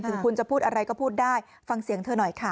ถึงคุณจะพูดอะไรก็พูดได้ฟังเสียงเธอหน่อยค่ะ